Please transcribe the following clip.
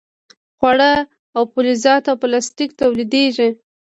خواړه او فلزات او پلاستیک تولیدیږي.